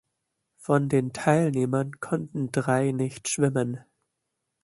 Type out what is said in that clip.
Von den Teilnehmern konnten drei nicht schwimmen.